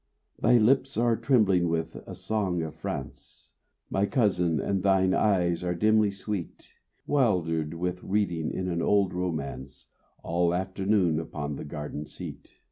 Thy lips are trembling with a song of France, My cousin, and thine eyes are dimly sweet; 'Wildered with reading in an old romance All afternoon upon the garden seat.